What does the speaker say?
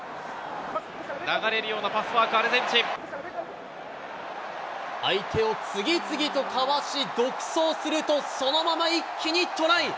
流れるようなパスワーク、相手を次々とかわし、独走すると、そのまま一気にトライ。